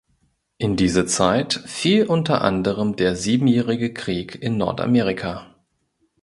In diese Zeit fiel unter anderem der Siebenjährige Krieg in Nordamerika.